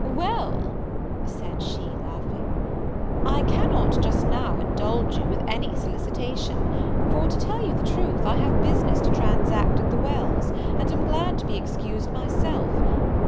"Well," said she, laughing, "I cannot just now indulge you with any solicitation; for, to tell you the truth, I have business to transact at the Wells, and am glad to be excused myself.